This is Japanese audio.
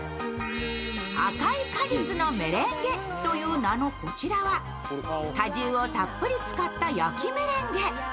赤い果実のメレンゲという名のこちらは果汁をたっぷり使った焼きメレンゲ。